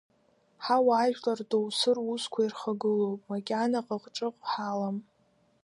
Ҳауаажәлар доусы русқәа ирхагылоуп, макьана ҟыҟҿыҟ ҳалам.